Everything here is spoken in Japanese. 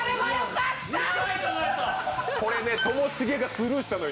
これね、ともしげがスルーしたのよ